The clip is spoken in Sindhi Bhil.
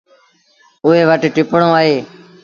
اُئي وٽ ٽپڻو اهي۔